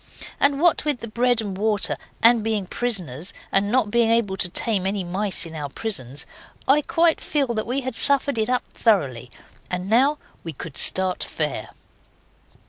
And what with the bread and water and being prisoners, and not being able to tame any mice in our prisons, I quite feel that we had suffered it up thoroughly, and now we could start fair.